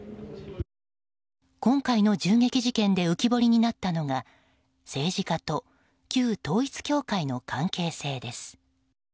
今回の銃撃事件で浮き彫りになったのが政治家と旧統一教会の関係性です。